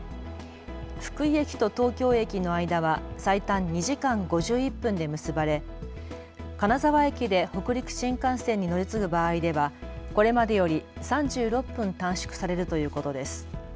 福井駅と東京駅の間は最短２時間５１分で結ばれ金沢駅で北陸新幹線に乗り継ぐ場合ではこれまでより３６分短縮されるということです。